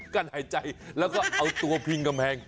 กั้นหายใจแล้วก็เอาตัวพิงกำแพง